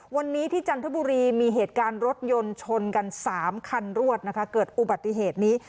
วันนี้ที่จันทบุรีมีเหตุการณ์รถยนต์ชนกัน๓คันรวดนะคะเกิดอุบัติเหตุนี้